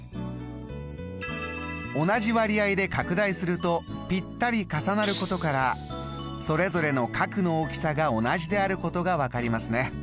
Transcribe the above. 同じ割合で拡大するとぴったり重なることからそれぞれの角の大きさが同じであることが分かりますね。